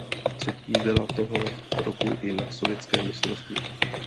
Třetí byla toho roku i na sovětském mistrovství.